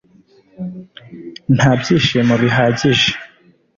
nta byishimo bihagije